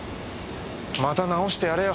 また治してやれよ